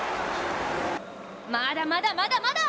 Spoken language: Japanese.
まだまだまだまだ！